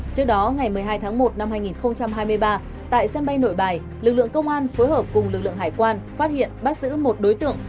trước đó ngày một mươi hai tháng một năm hai nghìn hai mươi ba tại sân bay nội bài lực lượng công an phối hợp cùng lực lượng hải quan phát hiện bắt giữ một đối tượng